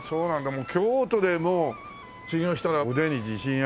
もう京都で修業したら腕に自信ありだよ。